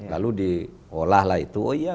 lalu diolah itu oh iya